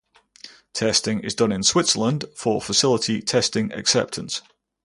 Testing is done in Switzerland for facility testing acceptance.